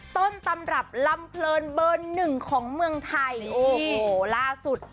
ต้นตำรับลำเพลินเบอร์หนึ่งของเมืองไทยโอ้โหล่าสุด